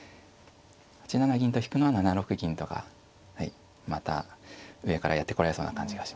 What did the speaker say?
８七銀と引くのは７六銀とかまた上からやってこられそうな感じがしますね。